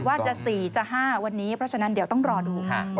ว่าจะ๔จะ๕วันนี้เพราะฉะนั้นเดี๋ยวต้องรอดูค่ะ